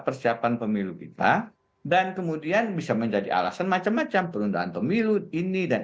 persiapan pemilu kita dan kemudian bisa menjadi alasan macam macam penundaan pemilu ini dan